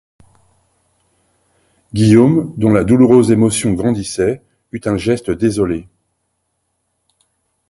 Guillaume, dont la douloureuse émotion grandissait, eut un geste désolé.